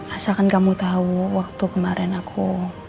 asalkan kamu tahu waktu kemarin aku